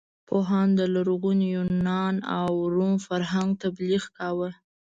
پوهانو د لرغوني یونان او روم فرهنګ تبلیغ کاوه.